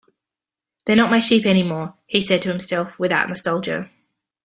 "They're not my sheep anymore," he said to himself, without nostalgia.